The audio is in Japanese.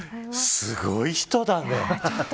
すごい人だね。